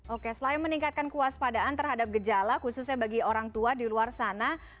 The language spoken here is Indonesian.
oke selain meningkatkan kewaspadaan terhadap gejala khususnya bagi orang tua di luar sana